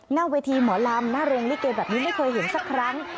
หน้าเวทีหมอลำหน้าโรงลิเกแบบนี้ไม่เคยเห็นสักครั้ง